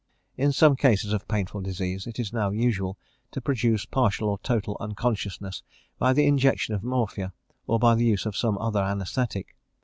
In some cases of painful disease, it is now usual to produce partial or total unconsciousness by the injection of morphia, or by the use of some other anaesthetic.